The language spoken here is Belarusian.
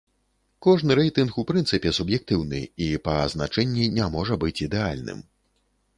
Кожны рэйтынг у прынцыпе суб'ектыўны і па азначэнні не можа быць ідэальным.